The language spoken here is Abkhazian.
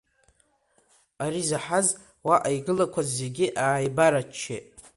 Ари заҳаз, уаҟа игылақәаз, зегьы ааибарччеит.